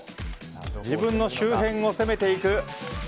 自分の周辺を攻めていく。